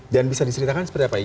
dan bisa diseritakan seperti apa